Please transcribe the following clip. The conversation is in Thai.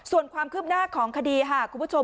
ส่วนความคืบหน้าของคดีค่ะคุณผู้ชม